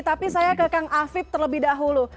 tapi saya ke kang afib terlebih dahulu